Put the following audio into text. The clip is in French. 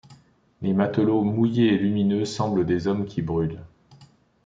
Les matelots mouillés et lumineux semblent des hommes qui brûlent.